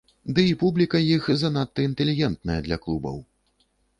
Ды і публіка іх занадта інтэлігентная для клубаў.